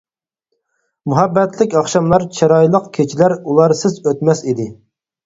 مۇھەببەتلىك ئاخشاملار، چىرايلىق كېچىلەر ئۇلارسىز ئۆتمەس ئىدى.